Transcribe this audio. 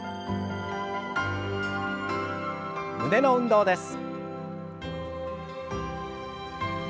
胸の運動です。